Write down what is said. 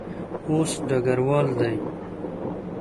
اوس ډګروال دی.